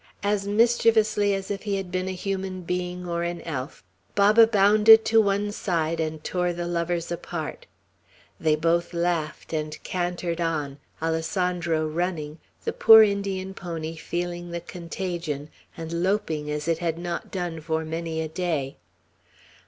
As mischievously as if he had been a human being or an elf, Baba bounded to one side and tore the lovers apart. They both laughed, and cantered on, Alessandro running; the poor Indian pony feeling the contagion, and loping as it had not done for many a day.